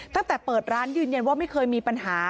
ตั้งแต่เปิดร้านยืนยันว่าไม่เคยมีปัญหา